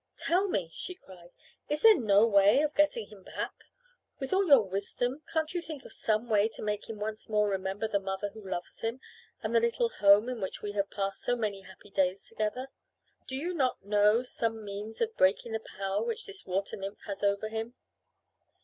"Tell me," she cried, "is there no way of getting him back? With all your wisdom can't you think of some way to make him once more remember the mother who loves him and the little home in which we have passed so many happy days together? Do you not know some means of breaking the power which this water nymph has over him?"